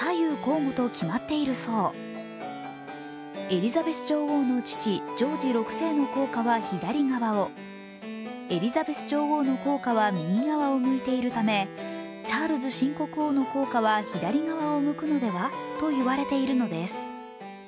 エリザベス女王の父・ジョージ６世の硬貨は左側を、エリザベス女王の硬貨は右側を向いているためチャールズ新国王の硬貨は左側を向くのではと言われているのです。